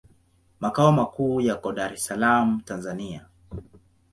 Makao makuu yako Dar es Salaam, Tanzania.